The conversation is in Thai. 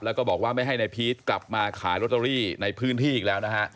แล้วก็บอกว่าไม่ให้นายพีชกลับมาขายโรตเตอรี่ในพื้นที่อีกแล้วนะฮะ